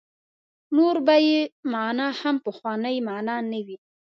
نور به یې معنا هغه پخوانۍ معنا نه وي.